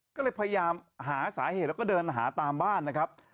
ก็เลยพยายามหาสาเหตุแล้วก็เดินหาตามบ้านนะครับ